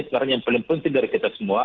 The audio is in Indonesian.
sekarang yang paling penting dari kita semua